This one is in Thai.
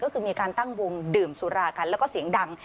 ก็คือมีการตั้งวงดื่มสุรากันแล้วก็เสียงดัง